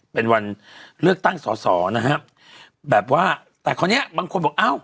เป็นวันเลือกตั้งสอสอนะฮะแบบว่าแต่คราวเนี้ยบางคนบอกอ้าว